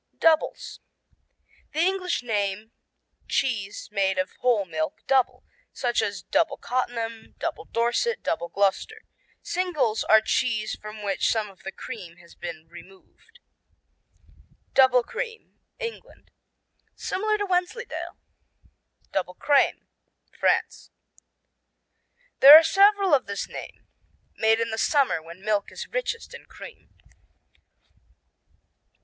Doubles The English name cheese made of whole milk "double," such as Double Cottenham, Double Dorset, Double Gloucester. "Singles" are cheeses from which some of the cream has been removed. Double cream England Similar to Wensleydale. Double crème France There are several of this name, made in the summer when milk is richest in cream.